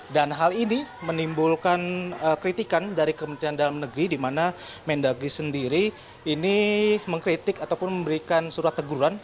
dan hal ini menimbulkan kritikan dari kementerian dalam negeri di mana mendagri sendiri ini mengkritik ataupun memberikan surat teguran